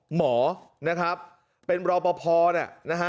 หมอนะครับเป็นบรรพพอน่ะ